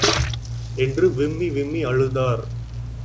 என்று விம்மி விம்மி அழுதார்.